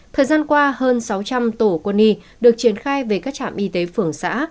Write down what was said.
thời gian qua hơn sáu trăm linh tổ quân y được triển khai về các trạm y tế phường xã